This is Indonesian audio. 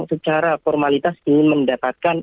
secara formalitas ingin mendapatkan